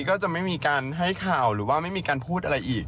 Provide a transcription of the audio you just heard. ก็จะไม่มีการให้ข่าวหรือว่าไม่มีการพูดอะไรอีก